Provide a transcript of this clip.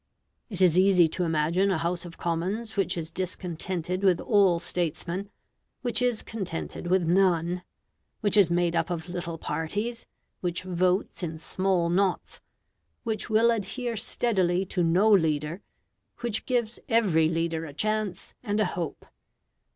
It is easy to imagine a House of Commons which is discontented with all statesmen, which is contented with none, which is made up of little parties, which votes in small knots, which will adhere steadily to no leader, which gives every leader a chance and a hope.